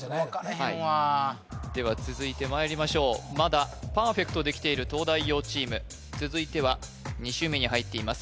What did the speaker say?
はいでは続いてまいりましょうまだパーフェクトできている東大王チーム続いては２周目に入っています